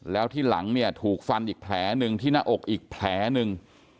แล้วที่หลังเนี่ยถูกฟันอีกแผลหนึ่งที่หน้าอกอีกแผลหนึ่ง